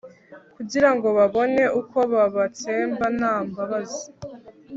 kugira ngo babone uko babatsemba nta mbabazi